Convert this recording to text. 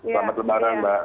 selamat lebaran mbak